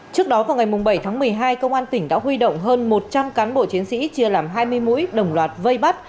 trước đó vào ngày bảy tháng một mươi hai công an tỉnh đã huy động hơn một trăm linh cán bộ chiến sĩ chia làm hai mươi mũi đồng loạt vây bắt